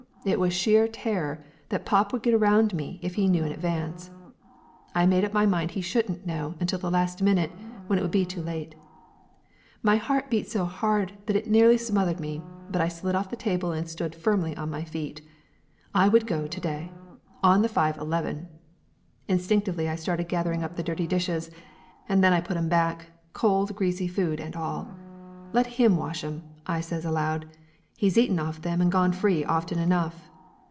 It was sheer terror that pop would get around me if he knew in advance. I made up my mind he shouldn't know until the last minute, when it would be too late. My heart beat so hard it nearly smothered me, but I slid off the table and stood firmly on my feet. I would go to day! On the 5.11. Instinctively I started gathering up the dirty dishes, and then I put 'em back cold, greasy food and all. "Let him wash 'em!" I says aloud. "He's eaten off them and gone free often enough